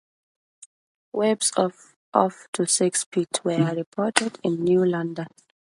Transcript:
Waves of up to six feet were reported in New London.